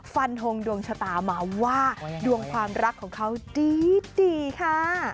ฟันทงดวงชะตามาว่าดวงความรักของเขาดีค่ะ